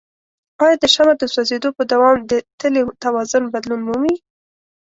آیا د شمع د سوځیدو په دوام د تلې توازن بدلون مومي؟